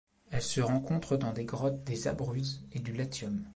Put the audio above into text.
Elle se rencontre dans des grottes des Abruzzes et du Latium.